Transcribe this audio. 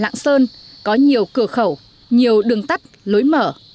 lạng sơn có nhiều cửa khẩu nhiều đường tắt lối mở